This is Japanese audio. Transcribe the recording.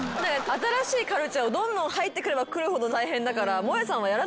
新しいカルチャーどんどん入ってくればくるほど大変だから。